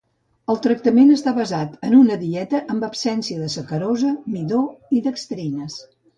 El tractament està basat en una dieta amb absència de sacarosa, midó i dextrines.